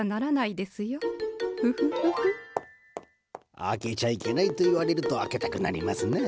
開けちゃいけないと言われると開けたくなりますな。